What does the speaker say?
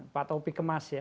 pak topi kemas ya